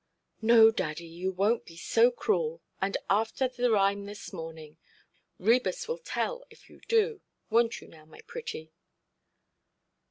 "No, daddy, you wonʼt be so cruel. And after the rime this morning! Ræbus will tell if you do. Wonʼt you now, my pretty"?